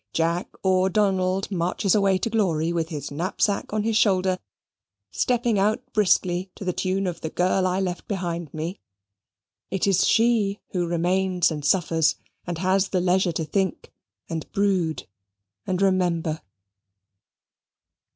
Jack or Donald marches away to glory with his knapsack on his shoulder, stepping out briskly to the tune of "The Girl I Left Behind Me." It is she who remains and suffers and has the leisure to think, and brood, and remember.